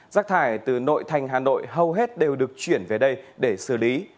rác thải từ nội thành hà nội hầu hết đều được chuyển về đây để xử lý